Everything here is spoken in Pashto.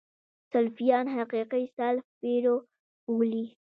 سلفیان حقیقي سلف پیرو بولي.